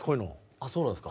あっそうなんすか。